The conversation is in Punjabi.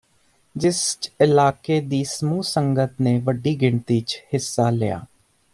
ਜਿਸ ਚ ਇਲਾਕੇ ਦੀਆਂ ਸਮੂਹ ਸੰਗਤਾਂ ਨੇ ਵੱਡੀ ਗਿਣਤੀ ਚ ਹਿੱਸਾ ਲਿਆ